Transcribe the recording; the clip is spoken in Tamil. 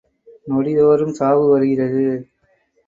நொடி தோறும் சாவு வருகிறது.